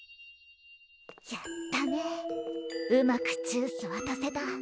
やったねうまくジュースわたせた。